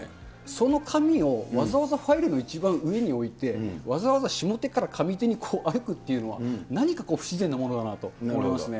その紙をわざわざファイルの一番上に置いて、わざわざ下手から上手に歩くというのは、何かこう、不自然なものだなというふうに思いますね。